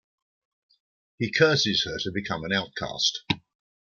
He curses her to become an outcast.